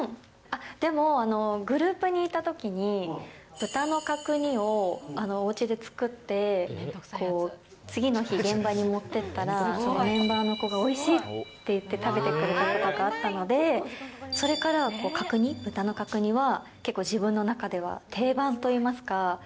でも、グループにいたときに、豚の角煮をおうちで作って、次の日、現場に持って行ったら、メンバーの子がおいしいって言って、食べてくれたことがあったので、それからは角煮、豚の角煮は結構、自分の中では、定番といいますか。